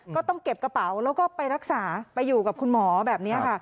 ก็ต้องเก็บกระเป๋าแล้วก็ไปรักษาไปอยู่กับคุณหมอแบบนี้ค่ะ